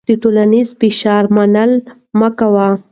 د ټولنیز فشار منل مه کوه.